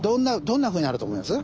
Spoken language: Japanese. どんなふうになると思います？